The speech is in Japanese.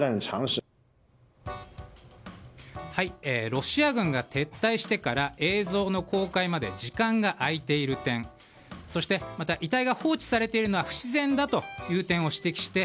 ロシア軍が撤退してから映像の公開まで時間が空いている点そして遺体が放置されているのは不自然だという点を指摘して